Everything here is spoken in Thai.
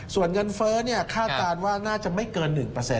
ส่วนเงินเฟ้อคาดการณ์ว่าน่าจะไม่เกิน๑